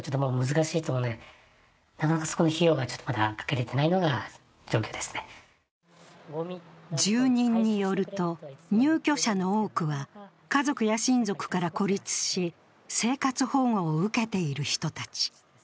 オーナーのＡさんは住人によると、入居者の多くは家族や親族から孤立し生活保護を受けている人たち。